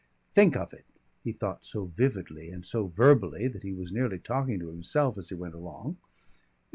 "Think of it!" He thought so vividly and so verbally that he was nearly talking to himself as he went along.